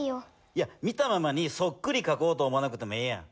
いや見たままにそっくりかこうと思わなくてもええやん。